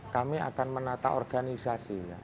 kami akan menata organisasi